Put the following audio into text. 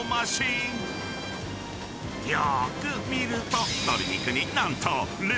［よーく見ると］